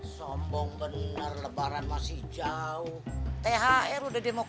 sombong bener lebaran masih jauh thr